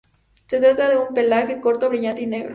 Se trata de un pelaje corto, brillante y negro.